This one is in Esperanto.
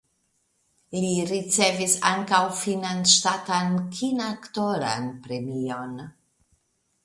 Li ricevis ankaŭ finnan ŝtatan kinaktoran premion.